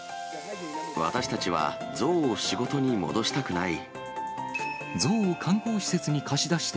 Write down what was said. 私たちはゾウを仕事に戻したくない。